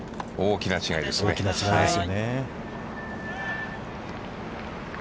大きな違いです。